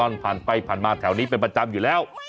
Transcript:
ผ่านไปผ่านมาแถวนี้เป็นประจำอยู่แล้ว